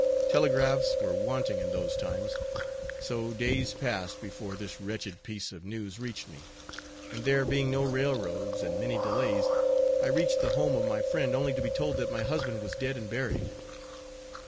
Telegraphs were wanting in those times, so days passed before this wretched piece of news reached me, and there being no railroads, and many delays, I reached the home of my friend only to be told that my husband was dead and buried.